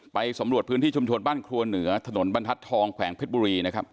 สำรวจพื้นที่ชุมชนบ้านครัวเหนือถนนบรรทัศน์ทองแขวงเพชรบุรีนะครับ